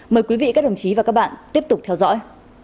mời quý vị các đồng chí và các bạn tiếp tục theo dõi